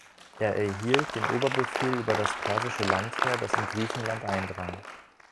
Er erhielt den Oberbefehl über das persische Landheer, das in Griechenland eindrang.